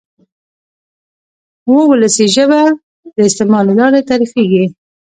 وولسي ژبه د استعمال له لارې تعریفېږي.